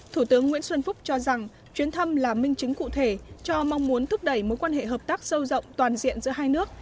thủ tướng nguyễn xuân phúc cho rằng chuyến thăm là minh chứng cụ thể cho mong muốn thúc đẩy mối quan hệ hợp tác sâu rộng toàn diện giữa hai nước